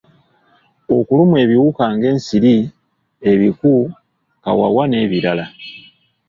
Okulumwa ebiwuka ng’ensiri, ebiku, kawawa n’ebirala.